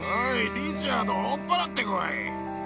リチャード、追っ払ってこい。